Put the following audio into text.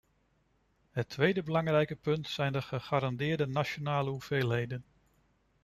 Het tweede belangrijke punt zijn de gegarandeerde nationale hoeveelheden.